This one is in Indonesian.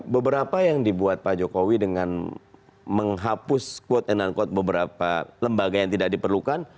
beberapa yang dibuat pak jokowi dengan menghapus quote and unquote beberapa lembaga yang tidak diperlukan